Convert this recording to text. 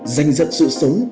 dành dận sự sống